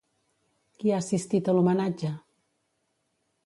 Qui ha assistit a l'homenatge?